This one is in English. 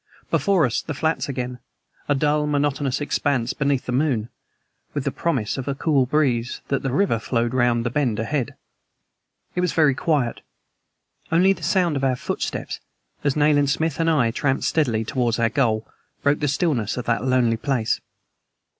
Before us the flats again, a dull, monotonous expanse beneath the moon, with the promise of the cool breeze that the river flowed round the bend ahead. It was very quiet. Only the sound of our footsteps, as Nayland Smith and I tramped steadily towards our goal, broke the stillness of that lonely place.